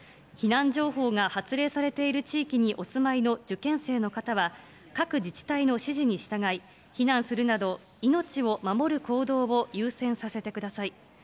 避難情報が発令されている地域にお住まいの受験生の方は、各自治体の指示に従い、避難するなど、命を守る行動を優先させてください。